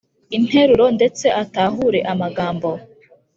interuro ndetse atahure amagambo